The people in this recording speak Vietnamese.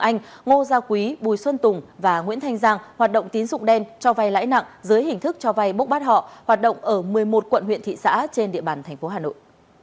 anh ngô gia quý bùi xuân tùng và nguyễn thanh giang hoạt động tín dụng đen cho vay lãi nặng dưới hình thức cho vay bốc bắt họ hoạt động ở một mươi một quận huyện thị xã trên địa bàn tp hà nội